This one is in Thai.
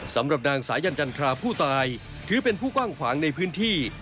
สำหรับนางสายันจันทราผู้ตายถือเป็นผู้กว้างขวางในพื้นที่